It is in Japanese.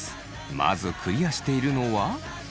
まずクリアしているのは。